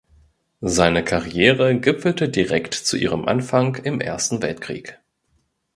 Seine Karriere gipfelte direkt zu ihrem Anfang im Ersten Weltkrieg.